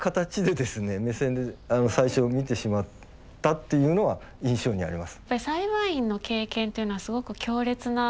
っていうのは印象にあります。